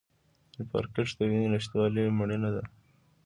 د انفارکټ د وینې نشتوالي مړینه ده.